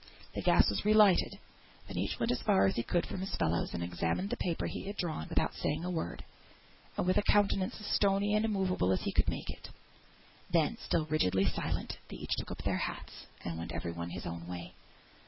The gas was re lighted. Then each went as far as he could from his fellows, and examined the paper he had drawn without saying a word, and with a countenance as stony and immovable as he could make it. Then, still rigidly silent, they each took up their hats and went every one his own way.